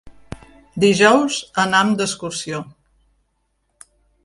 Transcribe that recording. Dijous anam d'excursió.